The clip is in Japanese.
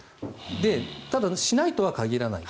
ただ、しないとは限らない。